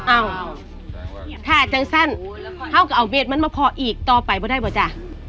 อ้าวถ้าจังสั้นเท่ากับเอาเวทมันมาพออีกต่อไปไม่ได้เปล่าจ้ะ